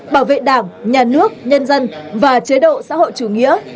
bảo vệ đảng nhà nước nhân dân và chế độ xã hội chủ nghĩa